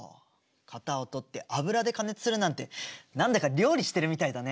型を取って油で加熱するなんて何だか料理してるみたいだね。